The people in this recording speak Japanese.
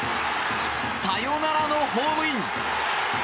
サヨナラのホームイン！